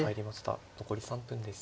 残り３分です。